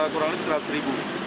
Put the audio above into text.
kurang lebih rp seratus